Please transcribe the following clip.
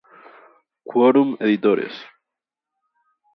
Quorum Editores.